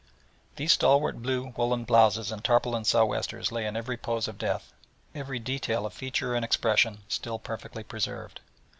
These stalwart blue woollen blouses and tarpaulin sou' westers lay in every pose of death, every detail of feature and expression still perfectly preserved.